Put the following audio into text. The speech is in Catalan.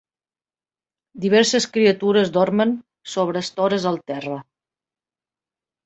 Diverses criatures dormen sobre estores al terra.